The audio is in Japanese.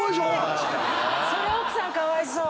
それ奥さんかわいそう。